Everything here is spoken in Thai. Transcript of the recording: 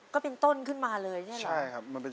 ก็เป็นต้นขึ้นมาเลยใช่ไหม